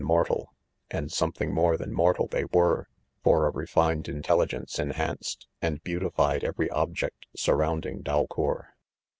mor tal j and something more than mortal they were, for a refined intelligence "enhanced and beautified 'every object ' surrounding Dalcour